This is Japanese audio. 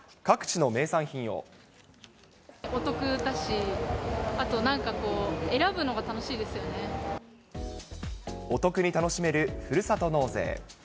お得だし、あとなんかこう、お得に楽しめるふるさと納税。